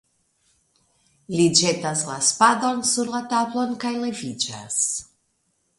Li ĵetas la spadon sur la tablon kaj leviĝas.